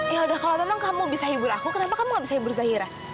ya udah kalau memang kamu bisa hibur aku kenapa kamu gak bisa hiburzairah